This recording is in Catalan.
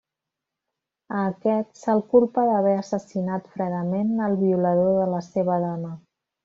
A aquest se'l culpa d'haver assassinat fredament el violador de la seva dona.